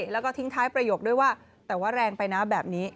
แล้วก็ทิ้งท้ายประโยคด้วยว่าแต่ว่าแรงไปนะแบบนี้